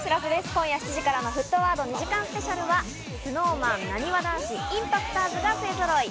今夜７時からの『沸騰ワード』２時間スペシャルはＳｎｏｗＭａｎ、なにわ男子、ＩＭＰＡＣＴｏｒｓが勢ぞろい。